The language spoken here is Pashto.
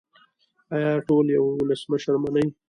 آیا ټول یو ولسمشر مني؟